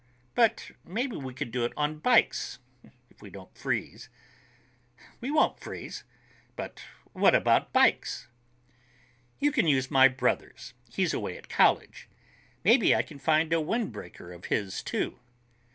But maybe we could do it on bikes, if we don't freeze." "We won't freeze. But what about bikes?" "You can use my brother's. He's away at college. Maybe I can find a windbreaker of his, too."